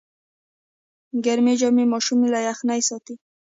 ګرمې جامې ماشوم له یخنۍ ساتي۔